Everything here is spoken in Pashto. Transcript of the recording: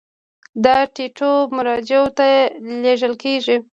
دا ټیټو مرجعو ته لیږل کیږي.